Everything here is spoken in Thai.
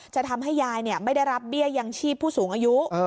จะทำให้ยายไม่ได้รับเบี้ยยังชีพผู้สูงอายุ